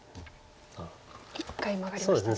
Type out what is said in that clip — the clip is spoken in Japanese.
一回マガりましたね。